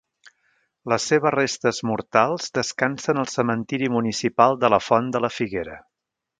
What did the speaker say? Les seves restes mortals descansen al cementiri municipal de la Font de la Figuera.